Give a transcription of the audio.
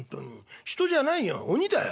人じゃないや鬼だよ。